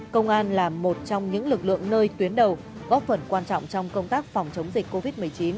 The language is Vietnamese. công an là một trong những lực lượng nơi tuyến đầu góp phần quan trọng trong công tác phòng chống dịch covid một mươi chín